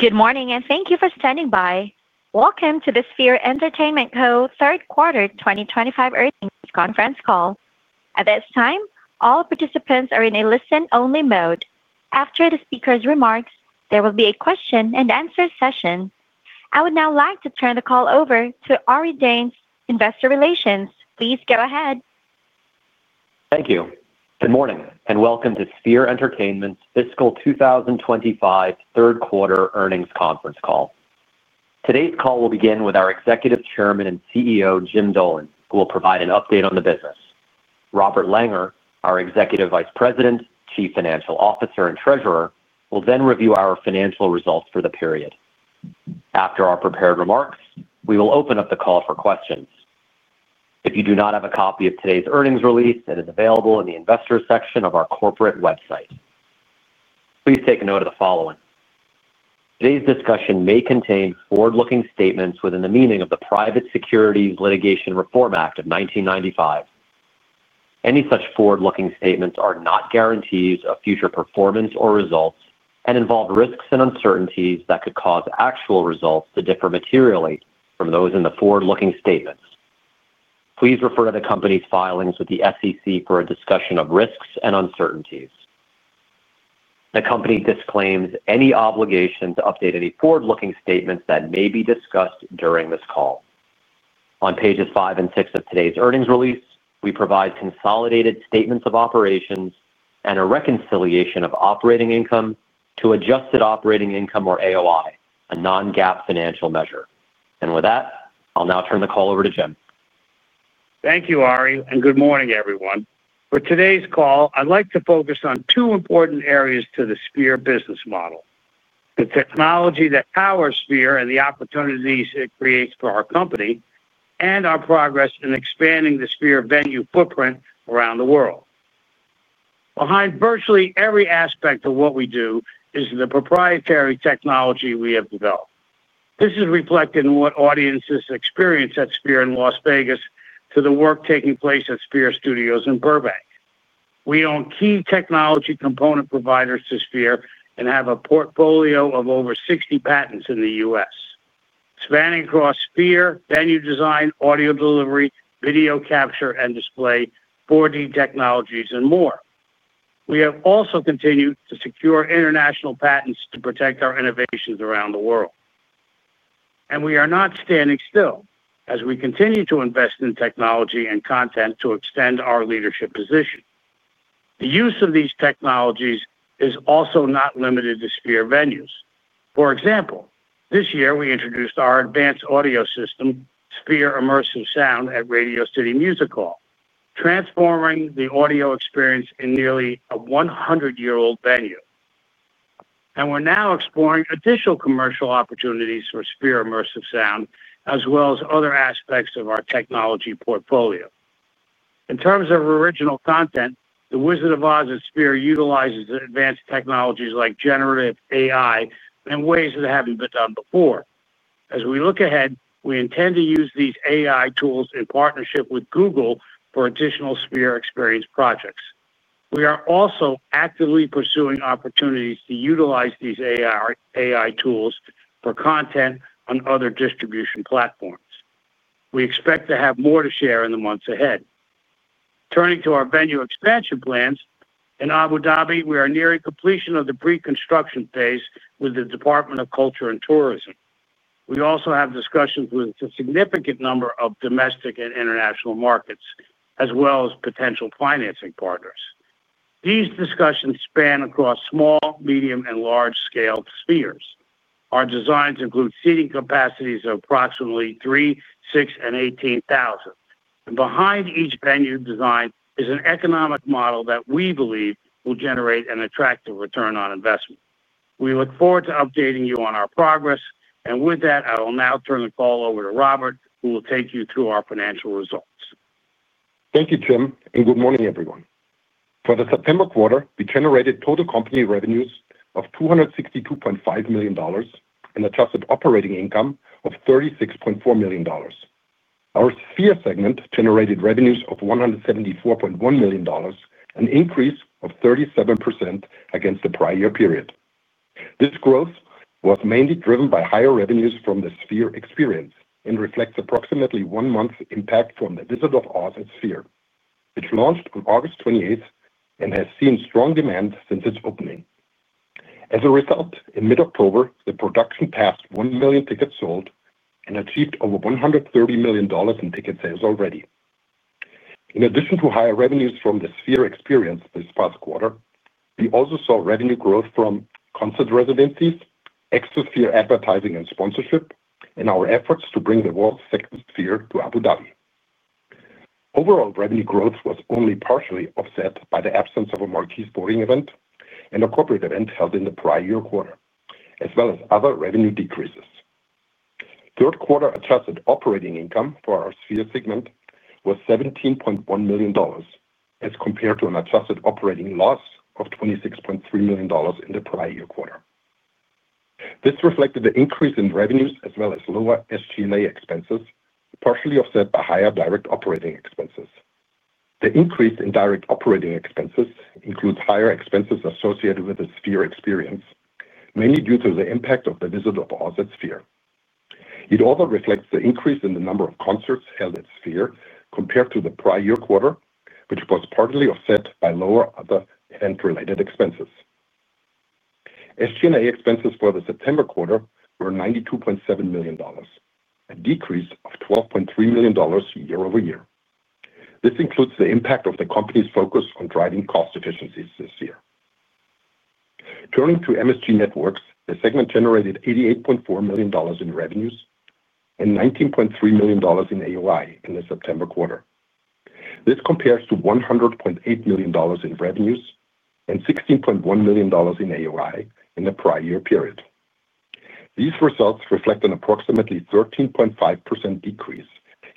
Good morning and thank you for standing by. Welcome to the Sphere Entertainment Co. Third Quarter 2025 Earnings Conference Call. At this time, all participants are in a listen-only mode. After the speaker's remarks, there will be a question-and-answer session. I would now like to turn the call over to Ari Danes, Investor Relations. Please go ahead. Thank you. Good morning and welcome to Sphere Entertainment's fiscal 2025 third quarter earnings conference call. Today's call will begin with our Executive Chairman and CEO, Jim Dolan, who will provide an update on the business. Robert Langer, our Executive Vice President, Chief Financial Officer, and Treasurer, will then review our financial results for the period. After our prepared remarks, we will open up the call for questions. If you do not have a copy of today's earnings release, it is available in the investors' section of our corporate website. Please take note of the following. Today's discussion may contain forward-looking statements within the meaning of the Private Securities Litigation Reform Act of 1995. Any such forward-looking statements are not guarantees of future performance or results and involve risks and uncertainties that could cause actual results to differ materially from those in the forward-looking statements. Please refer to the company's filings with the SEC for a discussion of risks and uncertainties. The company disclaims any obligation to update any forward-looking statements that may be discussed during this call. On pages five and six of today's earnings release, we provide consolidated statements of operations and a reconciliation of operating income to adjusted operating income or AOI, a non-GAAP financial measure, and with that, I'll now turn the call over to Jim. Thank you, Ari, and good morning, everyone. For today's call, I'd like to focus on two important areas to the Sphere business model: the technology that powers Sphere and the opportunities it creates for our company, and our progress in expanding the Sphere venue footprint around the world. Behind virtually every aspect of what we do is the proprietary technology we have developed. This is reflected in what audiences experience at Sphere in Las Vegas to the work taking place at Sphere Studios in Burbank. We own key technology component providers to Sphere and have a portfolio of over 60 patents in the U.S., spanning across Sphere venue design, audio delivery, video capture, and display, 4D technologies, and more. We have also continued to secure international patents to protect our innovations around the world, and we are not standing still as we continue to invest in technology and content to extend our leadership position. The use of these technologies is also not limited to Sphere venues. For example, this we introduced our advanced audio system, Sphere Immersive Sound, at Radio City Music Hall, transforming the audio experience in nearly a 100-year-old venue, and we're now exploring additional commercial opportunities for Sphere Immersive Sound, as well as other aspects of our technology portfolio. In terms of original content, The Wizard of Oz at Sphere utilizes advanced technologies like generative AI in ways that haven't been done before. As we look ahead, we intend to use these AI tools in partnership with Google for additional Sphere experience projects. We are also actively pursuing opportunities to utilize these AI tools for content on other distribution platforms. We expect to have more to share in the months ahead. Turning to our venue expansion plans, in Abu Dhabi, we are nearing completion of the pre-construction phase with the Department of Culture and Tourism. We also have discussions with a significant number of domestic and international markets, as well as potential financing partners. These discussions span across small, medium, and large-scale spheres. Our designs include seating capacities of approximately three, six, and 18,000, and behind each venue design is an economic model that we believe will generate an attractive return on investment. We look forward to updating you on our progress, and with that, I will now turn the call over to Robert, who will take you through our financial results. Thank you, Jim, and good morning, everyone. For the September quarter, we generated total company revenues of $262.5 million and adjusted operating income of $36.4 million. Our Sphere segment generated revenues of $174.1 million, an increase of 37% against the prior year period. This growth was mainly driven by higher revenues from the Sphere Experience and reflects approximately one month's impact from The Wizard of Oz at Sphere, which launched on August 28th and has seen strong demand since its opening. As a result, in mid-October, the production passed 1 million tickets sold and achieved over $130 million in ticket sales already. In addition to higher revenues from the Sphere Experience this past quarter, we also saw revenue growth from concert residencies, extra Sphere advertising and sponsorship, and our efforts to bring the world's second Sphere to Abu Dhabi. Overall revenue growth was only partially offset by the absence of a Marquise boarding event and a corporate event held in the prior year quarter, as well as other revenue decreases. Third quarter adjusted operating income for our Sphere segment was $17.1 million, as compared to an adjusted operating loss of $26.3 million in the prior year quarter. This reflected the increase in revenues as well as lower SG&A expenses, partially offset by higher direct operating expenses. The increase in direct operating expenses includes higher expenses associated with the Sphere Experience, mainly due to the impact of The Wizard of Oz at Sphere. It also reflects the increase in the number of concerts held at Sphere compared to the prior year quarter, which was partly offset by lower other event-related expenses. SG&A expenses for the September quarter were $92.7 million, a decrease of $12.3 million year-over-year. This includes the impact of the company's focus on driving cost efficiencies this year. Turning to MSG Networks, the segment generated $88.4 million in revenues and $19.3 million in AOI in the September quarter. This compares to $100.8 million in revenues and $16.1 million in AOI in the prior year period. These results reflect an approximately 13.5% decrease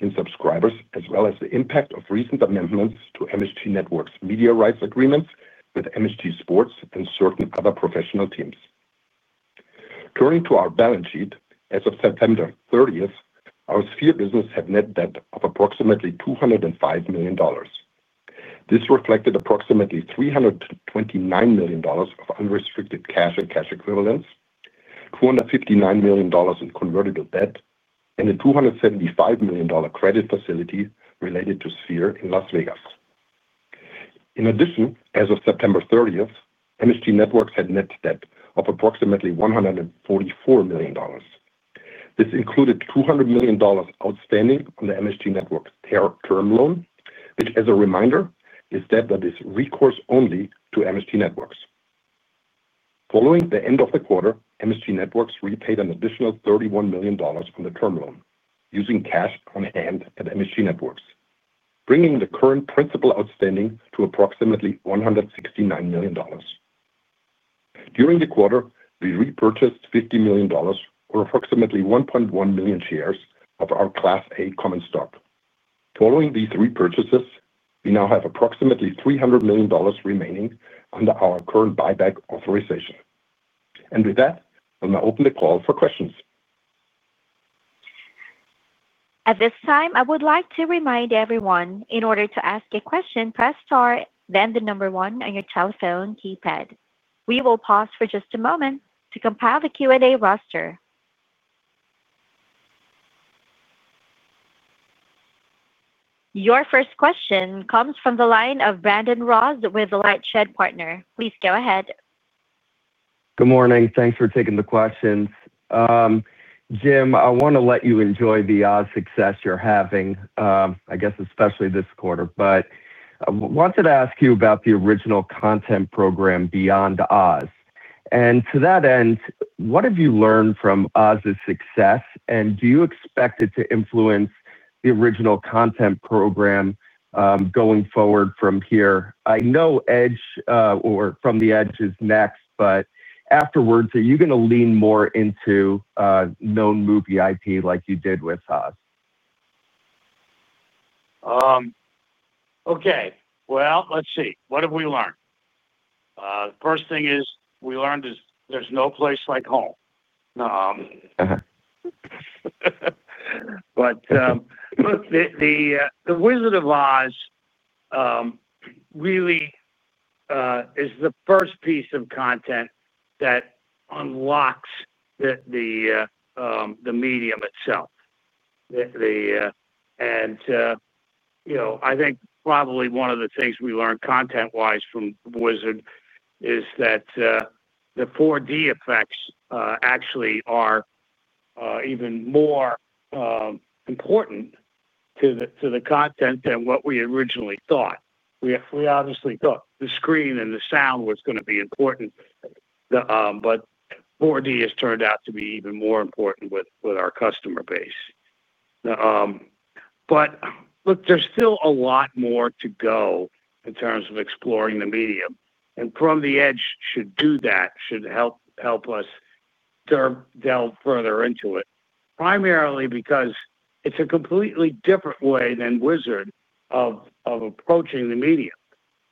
in subscribers, as well as the impact of recent amendments to MSG Networks' media rights agreements with MSG Sports and certain other professional teams. Turning to our balance sheet, as of September 30th, our Sphere business had net debt of approximately $205 million. This reflected approximately $329 million of unrestricted cash and cash equivalents, $259 million in converted debt, and a $275 million credit facility related to Sphere in Las Vegas. In addition, as of September 30th, MSG Networks had net debt of approximately $144 million. This included $200 million outstanding on the MSG Networks term loan, which, as a reminder, is debt that is recourse-only to MSG Networks. Following the end of the quarter, MSG Networks repaid an additional $31 million on the term loan, using cash on hand at MSG Networks, bringing the current principal outstanding to approximately $169 million. During the quarter, we repurchased $50 million, or approximately 1.1 million shares of our Class A Common Stock. Following these repurchases, we now have approximately $300 million remaining under our current buyback authorization, and with that, I'll now open the call for questions. At this time, I would like to remind everyone, in order to ask a question, press star, then the number one on your telephone keypad. We will pause for just a moment to compile the Q&A roster. Your first question comes from the line of Brandon Ross with LightShed Partners. Please go ahead. Good morning. Thanks for taking the questions. Jim, I want to let you enjoy the Oz success you're having, I guess especially this quarter. But I wanted to ask you about the original content program Beyond Oz. And to that end, what have you learned from Oz's success, and do you expect it to influence the original content program going forward from here? I know Edge or From the Edge is next, but afterwards, are you going to lean more into known movie IP like you did with Oz? Okay, well, let's see. What have we learned? The first thing we learned is there's no place like home, but The Wizard of Oz really is the first piece of content that unlocks the medium itself, and I think probably one of the things we learned content-wise from Wizard is that the 4D effects actually are even more important to the content than what we originally thought. We obviously thought the screen and the sound were going to be important, but 4D has turned out to be even more important with our customer base, look, there's still a lot more to go in terms of exploring the medium, and From the Edge should do that, should help us delve further into it, primarily because it's a completely different way than Wizard of approaching the medium.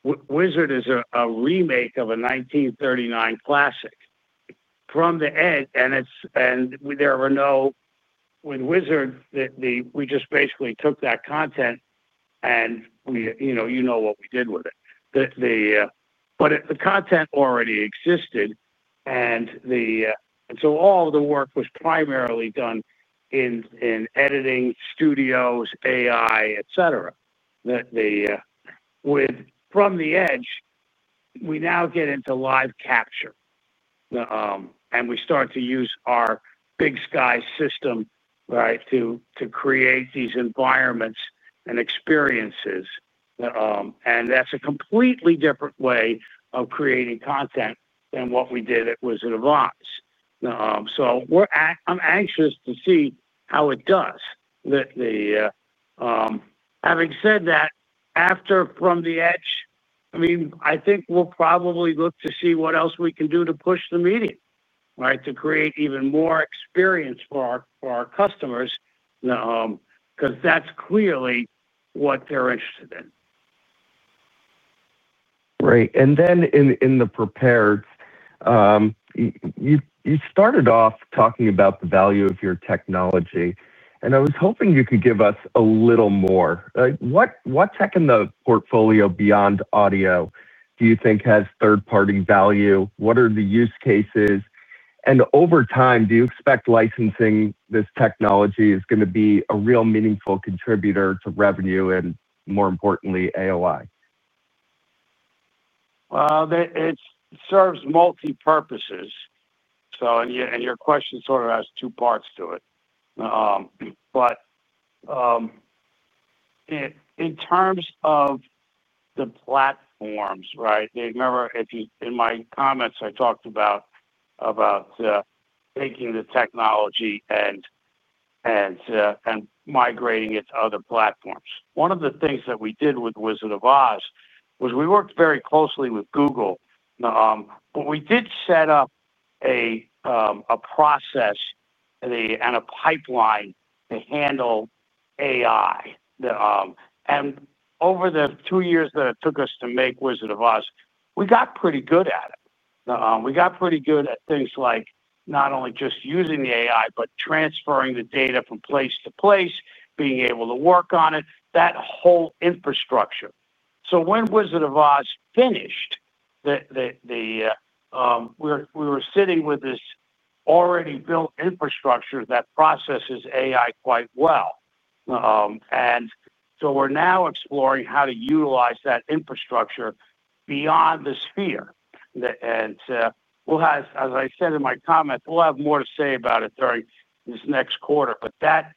Wizard is a remake of a 1939 classic. From the Edge, and we just basically took that content and you know what we did with it, but the content already existed, and so all of the work was primarily done in editing studios, AI, etc. From the Edge, we now get into live capture, and we start to use our Big Sky system, right, to create these environments and experiences, and that's a completely different way of creating content than what we did at Wizard of Oz. So I'm anxious to see how it does. Having said that, after From the Edge, I mean, I think we'll probably look to see what else we can do to push the medium, right, to create even more experience for our customers. Because that's clearly what they're interested in. Great. And then in the prepared, you started off talking about the value of your technology, and I was hoping you could give us a little more. What's in the portfolio beyond audio do you think has third-party value? What are the use cases? And over time, do you expect licensing this technology is going to be a real meaningful contributor to revenue and, more importantly, AOI? It serves multi-purposes. And your question sort of has two parts to it. But in terms of the platforms, right, if you remember, in my comments, I talked about making the technology and migrating it to other platforms. One of the things that we did with Wizard of Oz was we worked very closely with Google. But we did set up a process and a pipeline to handle AI. And over the two years that it took us to make Wizard of Oz, we got pretty good at it. We got pretty good at things like not only just using the AI, but transferring the data from place to place, being able to work on it, that whole infrastructure. So when Wizard of Oz finished, we were sitting with this already built infrastructure that processes AI quite well. And so we're now exploring how to utilize that infrastructure beyond the Sphere. And as I said in my comments, we'll have more to say about it during this next quarter. But that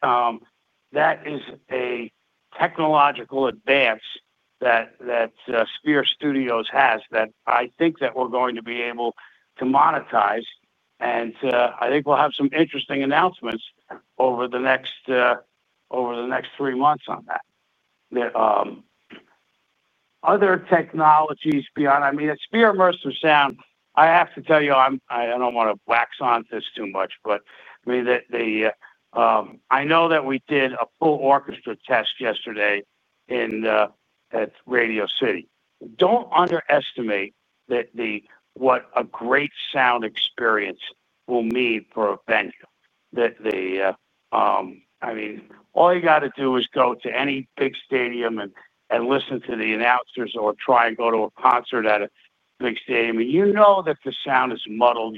is a technological advance that Sphere Studios has that I think that we're going to be able to monetize. And I think we'll have some interesting announcements over the next three months on that. Other technologies beyond, I mean, at Sphere Immersive Sound, I have to tell you, I don't want to wax on this too much, but I mean, I know that we did a full orchestra test yesterday at Radio City. Don't underestimate what a great sound experience will mean for a venue. I mean, all you got to do is go to any big stadium and listen to the announcers or try and go to a concert at a big stadium. And you know that the sound is muddled.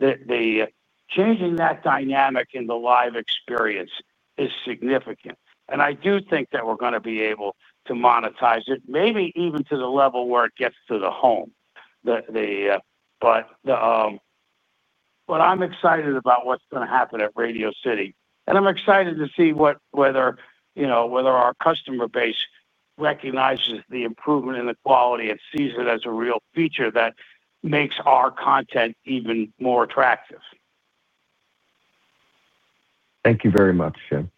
Changing that dynamic in the live experience is significant. And I do think that we're going to be able to monetize it, maybe even to the level where it gets to the home. But I'm excited about what's going to happen at Radio City. And I'm excited to see whether our customer base recognizes the improvement in the quality and sees it as a real feature that makes our content even more attractive. Thank you very much, Jim.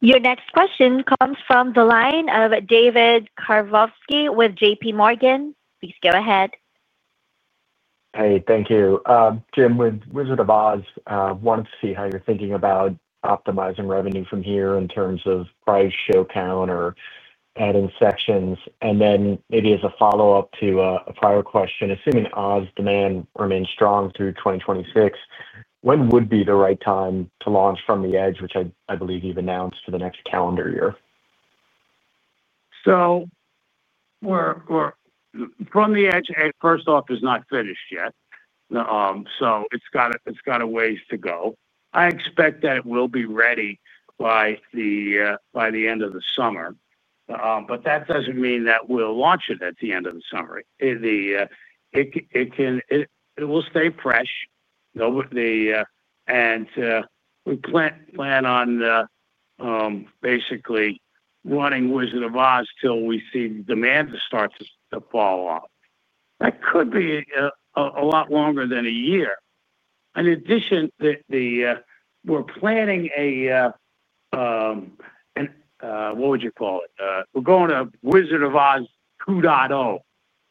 Your next question comes from the line of David Karnovsky with JPMorgan. Please go ahead. Hey, thank you. Jim, with Wizard of Oz, wanted to see how you're thinking about optimizing revenue from here in terms of price, show count, or adding sections, and then maybe as a follow-up to a prior question, assuming Oz demand remains strong through 2026, when would be the right time to launch From the Edge, which I believe you've announced for the next calendar year? So, From the Edge, first off, is not finished yet. So it's got a ways to go. I expect that it will be ready by the end of the summer. But that doesn't mean that we'll launch it at the end of the summer. It will stay fresh, and we plan on basically running Wizard of Oz till we see demand start to fall off. That could be a lot longer than a year. In addition, we're planning a. What would you call it? We're going to Wizard of Oz 2.0,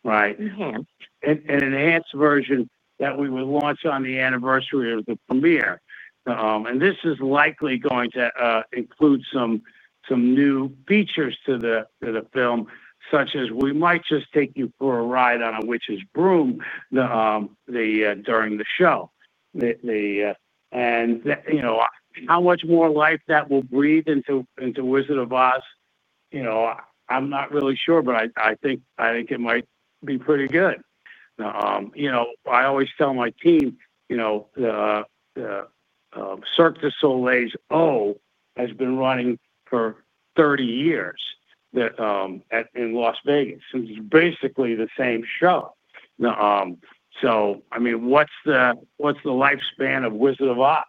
right? Enhanced. An enhanced version that we would launch on the anniversary of the premiere. And this is likely going to include some new features to the film, such as we might just take you for a ride on a witch's broom. During the show. How much more life that will breathe into Wizard of Oz, I'm not really sure, but I think it might be pretty good. I always tell my team. Cirque du Soleil's O has been running for 30 years. In Las Vegas. It's basically the same show. So I mean, what's the lifespan of Wizard of Oz?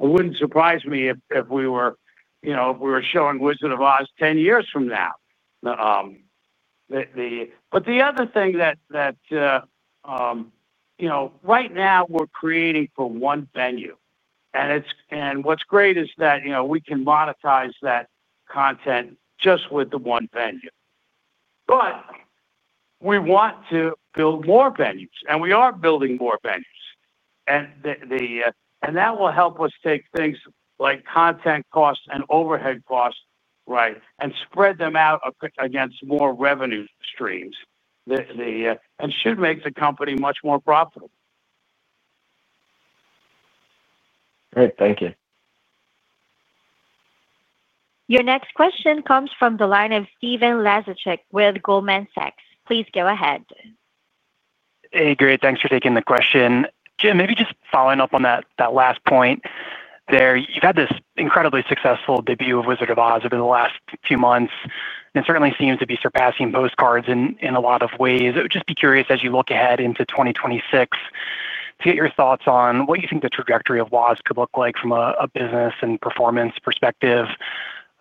It wouldn't surprise me if we were showing Wizard of Oz 10 years from now. But the other thing that right now we're creating for one venue. And what's great is that we can monetize that content just with the one venue. We want to build more venues. And we are building more venues. That will help us take things like content costs and overhead costs, right, and spread them out against more revenue streams and should make the company much more profitable. Great. Thank you. Your next question comes from the line of Steven Laszczyk with Goldman Sachs. Please go ahead. Hey, great. Thanks for taking the question. Jim, maybe just following up on that last point. You've had this incredibly successful debut of Wizard of Oz over the last few months, and it certainly seems to be surpassing Postcard in a lot of ways. I would just be curious, as you look ahead into 2026, to get your thoughts on what you think the trajectory of Oz could look like from a business and performance perspective,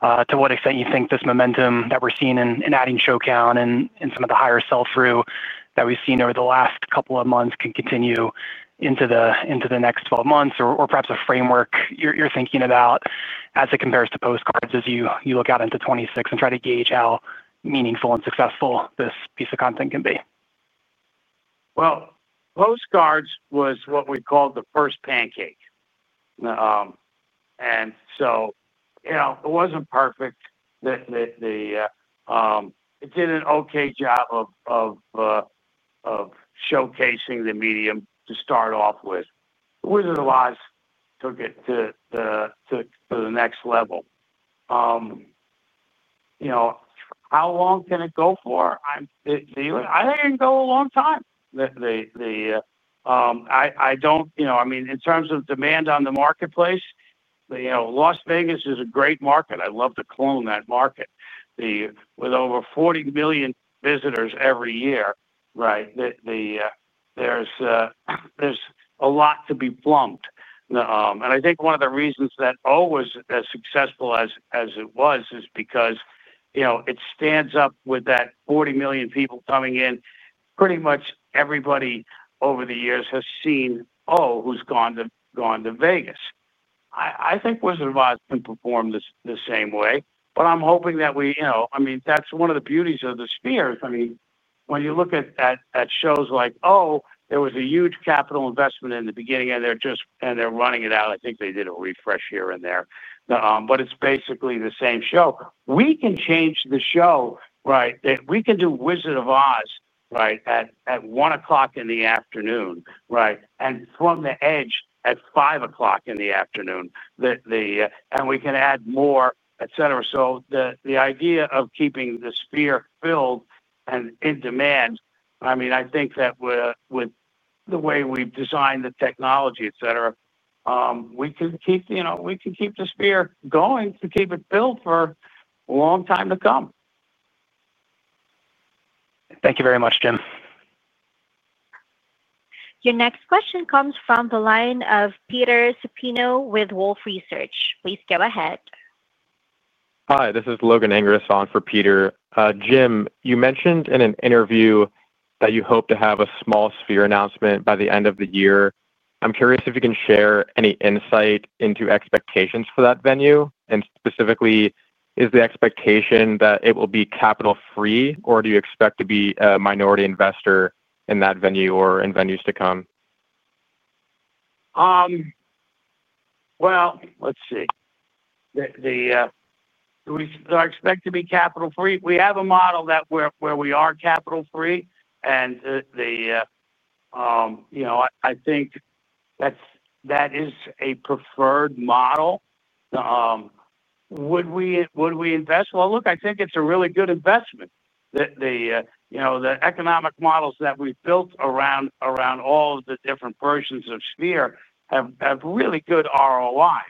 to what extent you think this momentum that we're seeing in adding show count and some of the higher sell-through that we've seen over the last couple of months can continue into the next 12 months, or perhaps a framework you're thinking about as it compares to Postcards as you look out into 2026 and try to gauge how meaningful and successful this piece of content can be. Postcards was what we called the first pancake. And so. It wasn't perfect. It did an okay job of. Showcasing the medium to start off with. Wizard of Oz took it to. The next level. How long can it go for? I think it can go a long time. I don't, I mean, in terms of demand on the marketplace, Las Vegas is a great market. I'd love to clone that market. With over 40 million visitors every year, right. There's. A lot to be plumbed. And I think one of the reasons that O was as successful as it was is because. It stands up with that 40 million people coming in. Pretty much everybody over the years has seen O, who's gone to Vegas. I think Wizard of Oz can perform the same way. But I'm hoping that we, I mean, that's one of the beauties of the Sphere. I mean, when you look at shows like O, there was a huge capital investment in the beginning, and they're just, and they're running it out. I think they did a refresh here and there. But it's basically the same show. We can change the show, right? We can do Wizard of Oz, right, at 1 o'clock in the afternoon, right? And From the Edge at 5 o'clock in the afternoon. And we can add more, etc. So the idea of keeping the Sphere filled and in demand, I mean, I think that with the way we've designed the technology, etc., we can keep the Sphere going to keep it filled for a long time to come. Thank you very much, Jim. Your next question comes from the line of Peter Supino with Wolfe Research. Please go ahead. Hi, this is Logan Angus on for Peter. Jim, you mentioned in an interview that you hope to have a small Sphere announcement by the end of the year. I'm curious if you can share any insight into expectations for that venue, and specifically, is the expectation that it will be capital-free, or do you expect to be a minority investor in that venue or in venues to come? Well, let's see. Do we expect to be capital-free? We have a model where we are capital-free. And I think that is a preferred model. Would we invest? Well, look, I think it's a really good investment. The economic models that we've built around all of the different versions of Sphere have really good ROIs.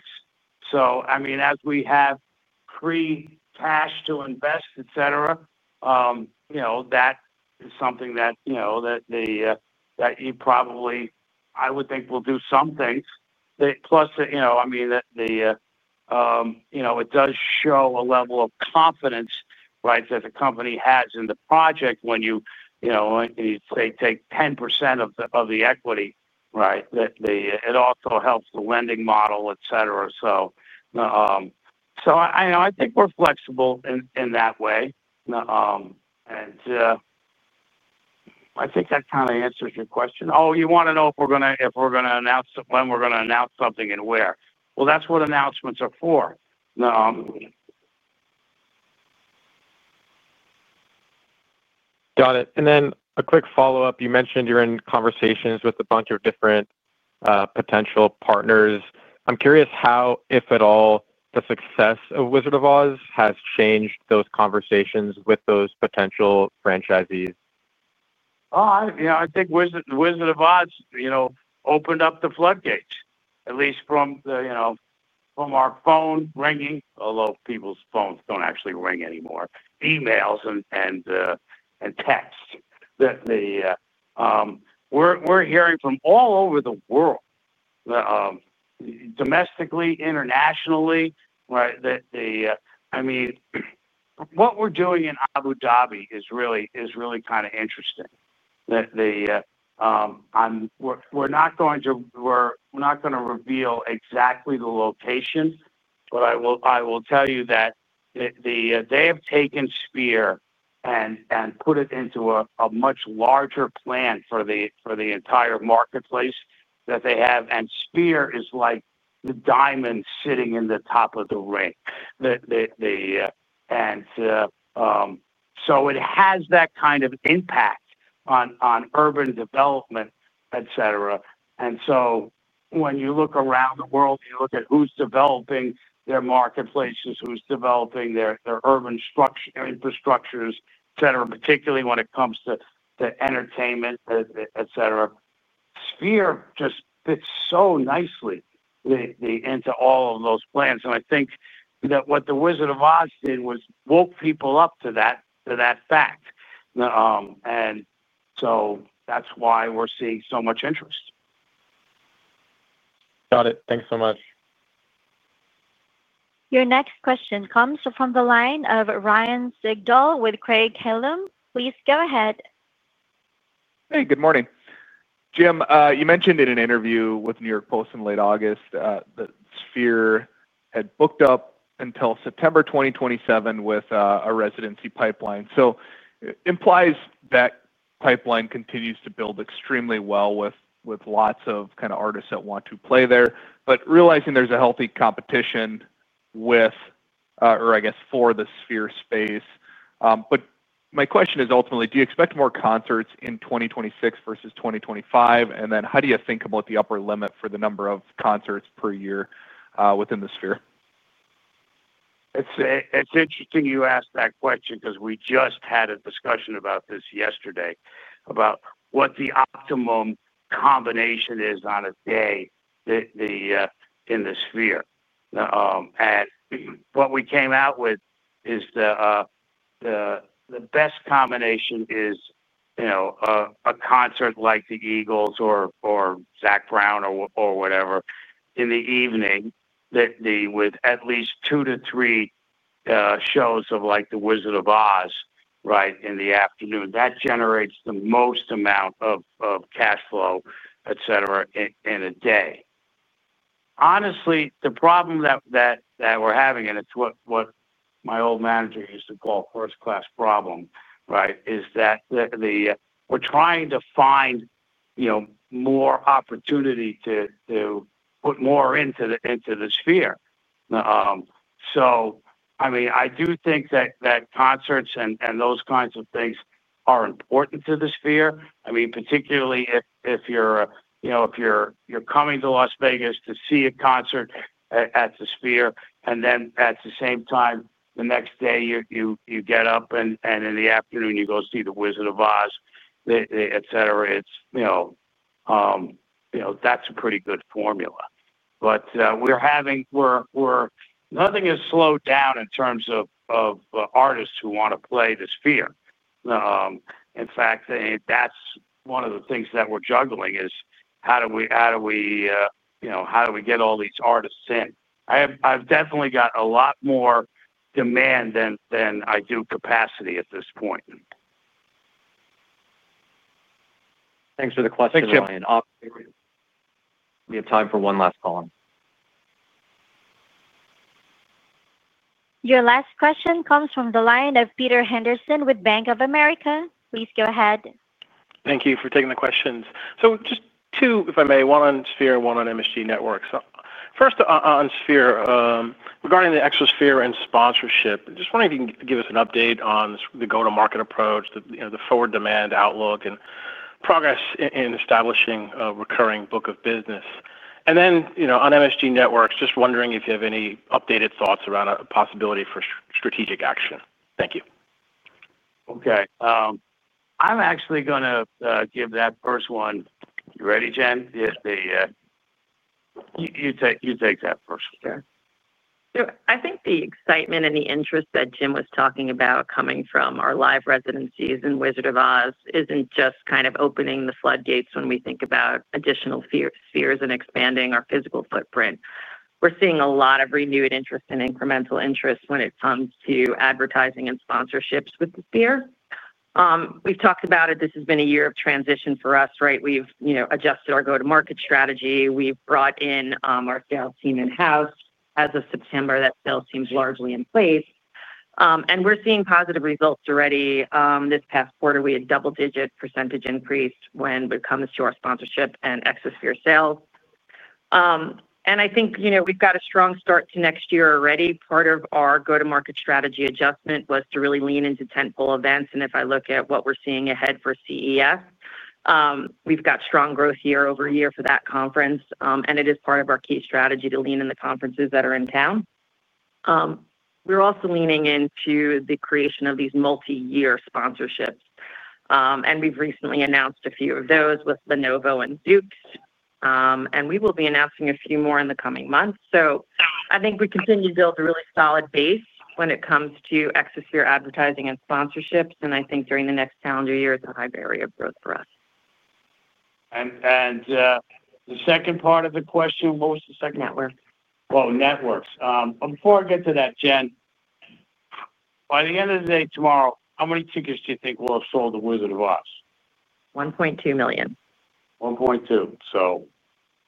So, I mean, as we have free cash to invest, etc., that is something that you probably, I would think, will do some things. Plus, I mean, it does show a level of confidence, right, that the company has in the project when you take 10% of the equity, right? It also helps the lending model, etc. So I think we're flexible in that way. And I think that kind of answers your question. Oh, you want to know if we're going to announce when we're going to announce something and where? Well, that's what announcements are for. Got it. And then a quick follow-up. You mentioned you're in conversations with a bunch of different potential partners. I'm curious how, if at all, the success of The Wizard of Oz has changed those conversations with those potential franchisees. Oh, I think Wizard of Oz opened up the floodgates, at least from our phone ringing, although people's phones don't actually ring anymore, emails and texts. We're hearing from all over the world, domestically, internationally, right? I mean, what we're doing in Abu Dhabi is really kind of interesting. We're not going to reveal exactly the location, but I will tell you that they have taken Sphere and put it into a much larger plan for the entire marketplace that they have. And Sphere is like the diamond sitting in the top of the ring. And so it has that kind of impact on urban development, etc. And so when you look around the world, you look at who's developing their marketplaces, who's developing their urban infrastructures, etc., particularly when it comes to entertainment, etc., Sphere just fits so nicely into all of those plans. And I think that what the Wizard of Oz did was woke people up to that fact. And so that's why we're seeing so much interest. Got it. Thanks so much. Your next question comes from the line of Ryan Zigdall with Craig-Hallum. Please go ahead. Hey, good morning. Jim, you mentioned in an interview with the New York Post in late August that Sphere had booked up until September 2027 with a residency pipeline. So it implies that pipeline continues to build extremely well with lots of kind of artists that want to play there. But realizing there's a healthy competition with, or I guess, for the Sphere space. But my question is ultimately, do you expect more concerts in 2026 versus 2025? And then how do you think about the upper limit for the number of concerts per year within the Sphere? It's interesting you ask that question because we just had a discussion about this yesterday about what the optimum combination is on a day in the Sphere. And what we came out with is the best combination is a concert like the Eagles or Zac Brown or whatever in the evening with at least two to three shows of like The Wizard of Oz, right, in the afternoon. That generates the most amount of cash flow, etc., in a day. Honestly, the problem that we're having, and it's what my old manager used to call first-class problem, right, is that we're trying to find more opportunity to put more into the Sphere. So I mean, I do think that concerts and those kinds of things are important to the Sphere. I mean, particularly if you're coming to Las Vegas to see a concert at the Sphere, and then at the same time, the next day you get up and in the afternoon you go see The Wizard of Oz, etc., it's that's a pretty good formula. But we're having nothing has slowed down in terms of artists who want to play the Sphere. In fact, that's one of the things that we're juggling is how do we how do we get all these artists in? I've definitely got a lot more demand than I do capacity at this point. Thanks for the question, Ryan. We have time for one last call. Your last question comes from the line of Peter Henderson with Bank of America. Please go ahead. Thank you for taking the questions. So just two, if I may, one on Sphere and one on MSG Networks. First on Sphere, regarding the Exosphere and sponsorship, just wondering if you can give us an update on the go-to-market approach, the forward demand outlook, and progress in establishing a recurring book of business. And then on MSG Networks, just wondering if you have any updated thoughts around a possibility for strategic action. Thank you. Okay. I'm actually going to give that first one. You ready, Jen? You take that first one. Okay. So I think the excitement and the interest that Jim was talking about coming from our live residencies and Wizard of Oz isn't just kind of opening the floodgates when we think about additional Spheres and expanding our physical footprint. We're seeing a lot of renewed interest and incremental interest when it comes to advertising and sponsorships with the Sphere. We've talked about it. This has been a year of transition for us, right? We've adjusted our go-to-market strategy. We've brought in our sales team in-house. As of September, that sales team is largely in place. And we're seeing positive results already. This past quarter, we had a double-digit % increase when it comes to our sponsorship and Exosphere sales. And I think we've got a strong start to next year already. Part of our go-to-market strategy adjustment was to really lean into tentpole events. And if I look at what we're seeing ahead for CES. We've got strong growth year-over-year for that conference. And it is part of our key strategy to lean in the conferences that are in town. We're also leaning into the creation of these multi-year sponsorships. And we've recently announced a few of those with Lenovo and Zoox. And we will be announcing a few more in the coming months. So I think we continue to build a really solid base when it comes to Exosphere advertising and sponsorships. And I think during the next calendar year is a high bar for growth for us. And, the second part of the question, what was the second? Networks. Oh, networks. Before I get to that, Jen. By the end of the day tomorrow, how many tickets do you think we'll have sold to Wizard of Oz? 1.2 million. So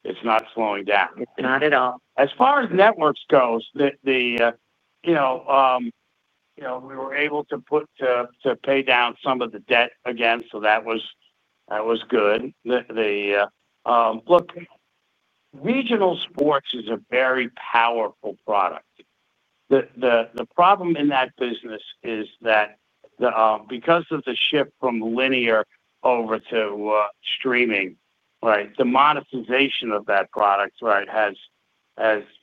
it's not slowing down. It's not at all. As far as networks goes, we were able to pay down some of the debt again. So that was good. Look, regional sports is a very powerful product. The problem in that business is that because of the shift from linear over to streaming, right, the monetization of that product, right, has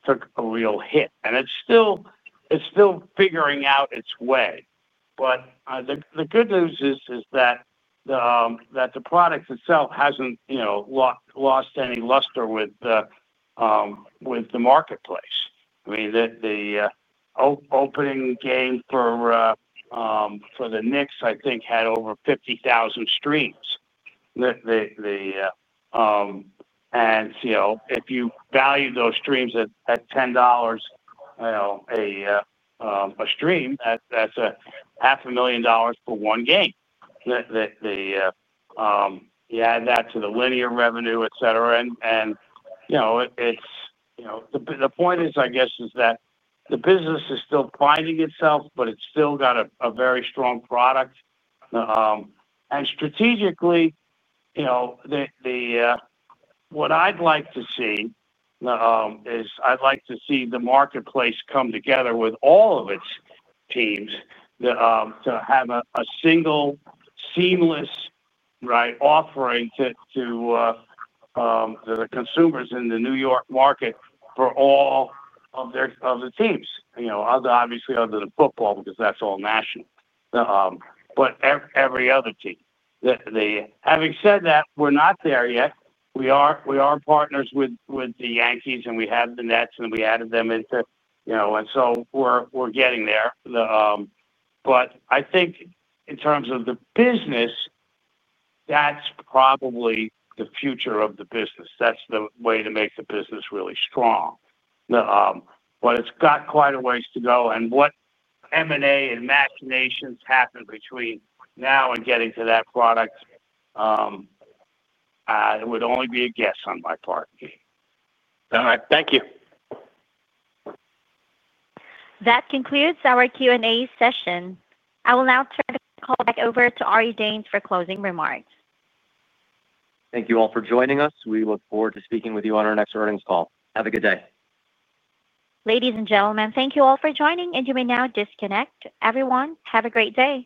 took a real hit. And it's still figuring out its way. But the good news is that the product itself hasn't lost any luster with the marketplace. I mean, the opening game for the Knicks, I think, had over 50,000 streams. And if you value those streams at $10 a stream, that's $500,000 for one game. You add that to the linear revenue, etc. And the point is, I guess, that the business is still finding itself, but it's still got a very strong product. And strategically, what I'd like to see is I'd like to see the marketplace come together with all of its teams to have a single seamless offering to the consumers in the New York market for all of the teams. Obviously, unlike the football because that's all national. But every other team. Having said that, we're not there yet. We are partners with the Yankees, and we have the Nets, and we added them into. And so we're getting there. But I think in terms of the business, that's probably the future of the business. That's the way to make the business really strong. But it's got quite a ways to go. And what M&A and machinations happen between now and getting to that product would only be a guess on my part. All right. Thank you. That concludes our Q&A session. I will now turn the call back over to Ari Danes for closing remarks. Thank you all for joining us. We look forward to speaking with you on our next earnings call. Have a good day. Ladies and gentlemen, thank you all for joining, and you may now disconnect. Everyone, have a great day.